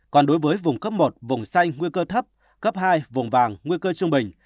còn đối với vùng cấp một vùng xanh nguy cơ thấp cấp hai vùng vàng nguy cơ trung bình